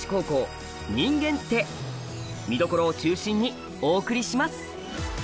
見どころを中心にお送りします！